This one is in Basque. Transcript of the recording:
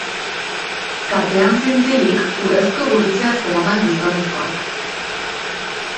Katean zintzilik, urrezko gurutzea zeraman gizonezkoak.